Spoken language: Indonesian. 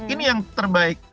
ini yang terbaik